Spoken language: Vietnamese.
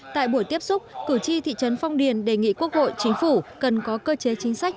tại buổi tiếp xúc cử tri thị trấn phong điền đề nghị quốc hội chính phủ cần có cơ chế chính sách